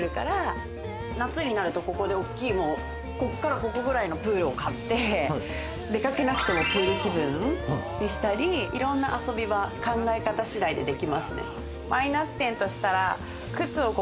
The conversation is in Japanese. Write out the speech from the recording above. こっからここぐらいのプールを買って出掛けなくてもプール気分にしたりいろんな遊び場考え方次第でできますね。